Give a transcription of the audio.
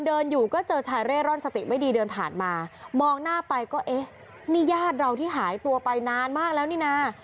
เดินอยู่ก็เจอชายเร่ร่อนสติไม่ดีเดินผ่านมามองหน้าไปก็เอ๊ะนี่ญาติเราที่หายตัวไปนานมากแล้วนี่นะ